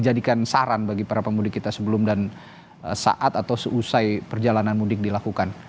bagaimana cara untuk memudikkan para pemudik kita sebelum dan saat atau selesai perjalanan mudik dilakukan